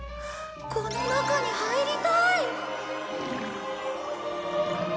この中に入りたい！